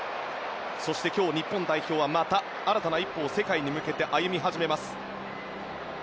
そして今日、日本代表はまた、新たな一歩を世界に向けて歩み始めます。